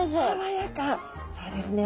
そうですね。